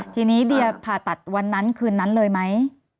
ทีนี้เดียผ่าตัดวันนั้นคืนนั้นเลยไหม